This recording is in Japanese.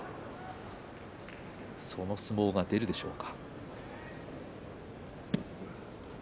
その相撲が出るでしょうか。